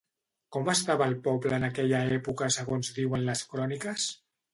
Com estava el poble en aquella època segons diuen les cròniques?